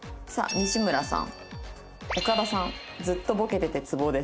西村さん。